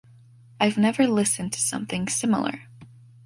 “I’ve never listened to something similar”.